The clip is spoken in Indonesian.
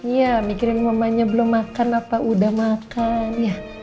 iya mikirin mamanya belum makan apa udah makan ya